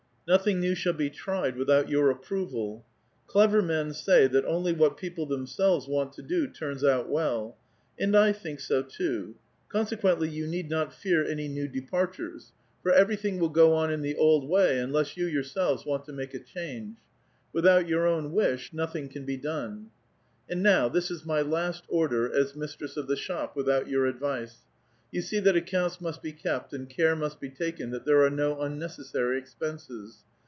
Nothing new shall be tried without your ap proval. Clever men say that only what people themselves ^^■^t to do turns out well. And I think so, too. Cpnse ^^^Htly, you need not fear any new departures ; for every 176 A VITAL QUESTION. thing will go on in the old way, unless you yourselves want to make a change. Without your own wish, nothing can be done. " And now, this is my last order, as mistress of the shop, without your advice. You see that accounts must be kept, and care must be taken that there are no unnecessary expenses.